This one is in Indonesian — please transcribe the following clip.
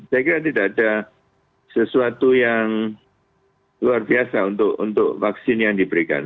saya kira tidak ada sesuatu yang luar biasa untuk vaksin yang diberikan